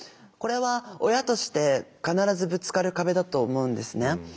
これは親として必ずぶつかる壁だと思うんですね。